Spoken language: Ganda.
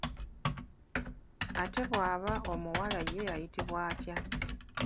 Ate bw'aba omuwala ye ayitibwa atya?